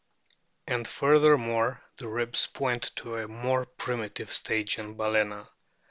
And furthermore, the ribs point to a more primitive stage in Bal&na.